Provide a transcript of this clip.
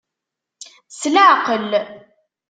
S leɛqel!